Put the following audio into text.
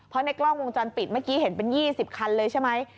เพราะในกล้องวงจรปิดเมื่อกี้เห็นเป็น๒๐คันเลยใช่ไหม